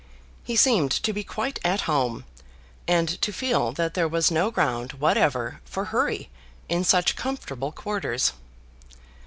He seemed to be quite at home, and to feel that there was no ground whatever for hurry in such comfortable quarters.